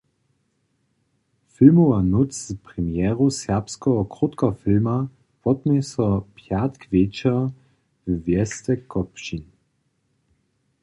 Filmowa nóc z premjeru serbskeho krótkofilma wotmě so pjatk wječor we wjesce Kopšin.